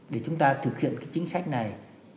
để chúng ta thực hiện cái chính sách này